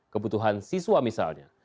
kebutuhan siswa misalnya